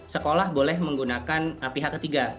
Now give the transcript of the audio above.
sekolah boleh menggunakan pihak ketiga